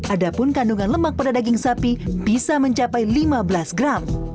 adapun kandungan lemak pada daging sapi bisa mencapai lima belas gram